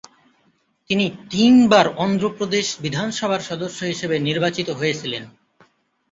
তিনি তিনবার অন্ধ্রপ্রদেশ বিধানসভার সদস্য হিসেবে নির্বাচিত হয়েছিলেন।